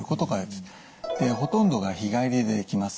ほとんどが日帰りでできます。